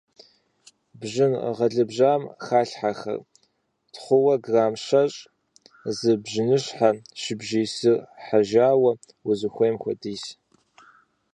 Бжьын гъэлыбжьам халъхьэхэр: тхъууэ грамм щэщӏ, зы бжьыныщхьэ, шыбжий сыр хьэжауэ — узыхуейм хуэдиз.